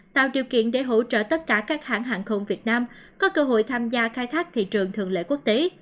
tạo điều kiện để hỗ trợ tất cả các hãng hàng không việt nam có cơ hội tham gia khai thác thị trường thường lễ quốc tế